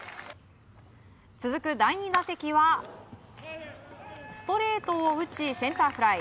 続く第２打席はストレートを打ちセンターフライ。